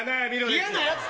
嫌なやつか。